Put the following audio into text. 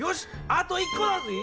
あと１こだぜぇ！